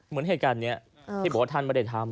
เหมือนเหตุการณ์นี้ที่บอกว่าท่านไม่ได้ทำ